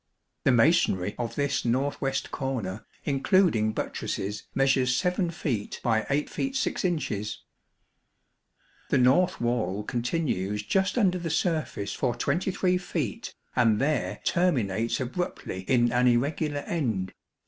The masonry of this north west corner, including buttresses, measures 7 feet by 8 feet 6 inches. The north wall continues just under the surface for 23 feet, and there terminates abruptly in an irregular end.